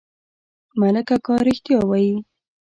ملک اکا رښتيا وايي.